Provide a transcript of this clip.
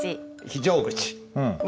非常口。